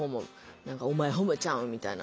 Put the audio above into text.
「お前ホモちゃうん」みたいな。